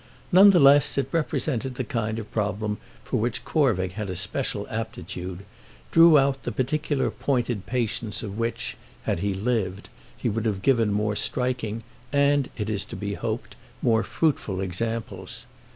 None the less it represented the kind of problem for which Corvick had a special aptitude, drew out the particular pointed patience of which, had he lived, he would have given more striking and, it is to be hoped, more fruitful examples.